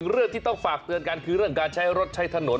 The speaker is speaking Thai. เรื่องที่ต้องฝากเตือนกันคือเรื่องการใช้รถใช้ถนน